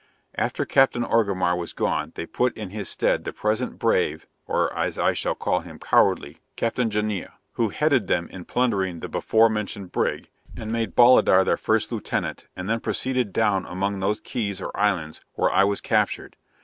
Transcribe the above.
After Captain Orgamar was gone, they put in his stead the present brave (or as I should call him cowardly) Captain Jonnia, who headed them in plundering the before mentioned brig, and made Bolidar their first lieutenant, and then proceeded down among those Keys or Islands, where I was captured.